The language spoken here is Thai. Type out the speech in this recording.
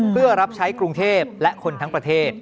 เพื่อรับใช้กรุงเทพและคนทั้งประเทศ